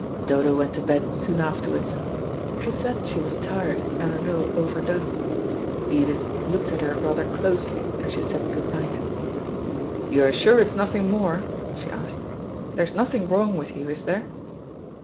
Dodo went to bed soon afterwards. She said she was tired, and a little overdone. Edith looked at her rather closely as she said good night. "You're sure it's nothing more?" she asked. "There's nothing wrong with you, is there?"